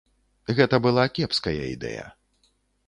Гэта была кепская ідэя.